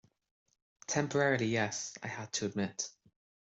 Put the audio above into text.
"Temporarily, yes," I had to admit.